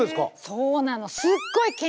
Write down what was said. そうなの。